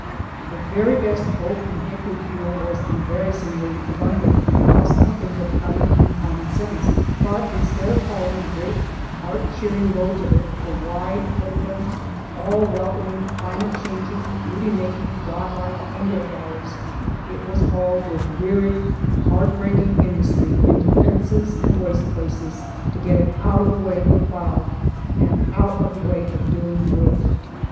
The very best oak and hickory fuel was embarrassingly abundant and cost nothing but cutting and common sense; but instead of hauling great heart cheering loads of it for wide, open, all welcoming, climate changing, beauty making, Godlike ingle fires, it was hauled with weary heart breaking industry into fences and waste places to get it out of the way of the plough, and out of the way of doing good.